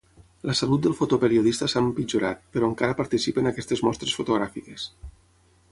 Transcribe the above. La salut del fotoperiodista s'ha empitjorat, però encara participa en aquestes mostres fotogràfiques.